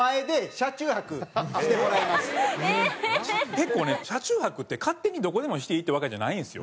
結構ね車中泊って勝手にどこでもしていいってわけじゃないんですよ。